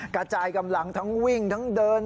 กระจายกำลังทั้งวิ่งทั้งเดิน